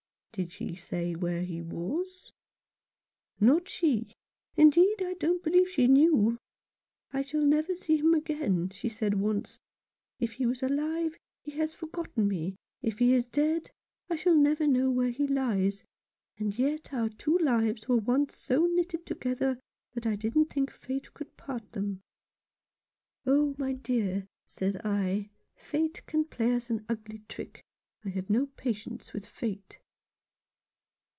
" Did she say where he was ?"" Not she ; indeed, I don't believe she knew. ' I shall never see him again,' she said once. ' If he is alive, he has forgotten me ; if he is dead, I shall never know where he lies ; and yet our two lives were once so knitted together that I didn't think Fate could part them.' 'Oh, my dear,' says I, 103 Rough Justice. ' Fate can play us any ugly trick. I've no patience with Fate.'